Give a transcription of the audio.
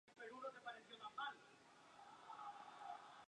Sobrino y discípulo de Durkheim, es el autor del influyente "Ensayo sobre el don.